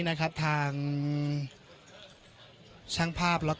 ไม่เป็นไรไม่เป็นไร